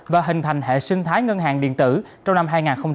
và hình thành hệ sinh thái ngân hàng điện tử trong năm hai nghìn hai mươi